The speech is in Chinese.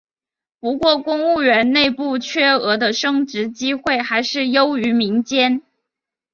不过公务员内部缺额的升职机会还是优于民间。